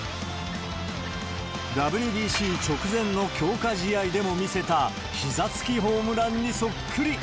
ＷＢＣ直前の強化試合でも見せた、ひざつきホームランにそっくり。